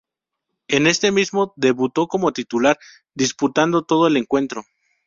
En este mismo debutó como titular, disputando todo el encuentro.